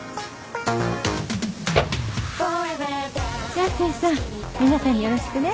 じゃあ清さん皆さんによろしくね。